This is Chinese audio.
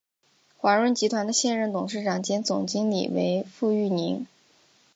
华润集团的现任董事长兼总经理为傅育宁。